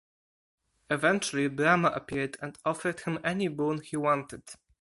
Eventually, Brahma appeared and offered him any boon he wanted.